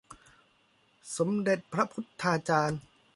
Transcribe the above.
สมเด็จพระพุฒาจารย์